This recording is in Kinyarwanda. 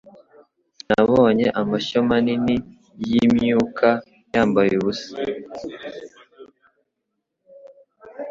Nabonye amashyo manini yimyuka yambaye ubusa